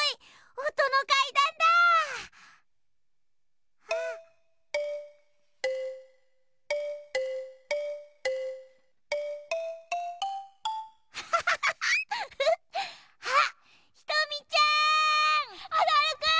おどるくん！